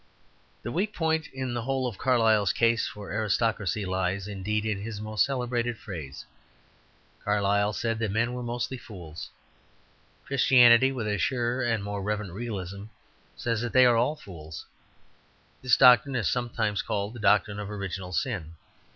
The weak point in the whole of Carlyle's case for aristocracy lies, indeed, in his most celebrated phrase. Carlyle said that men were mostly fools. Christianity, with a surer and more reverent realism, says that they are all fools. This doctrine is sometimes called the doctrine of original sin.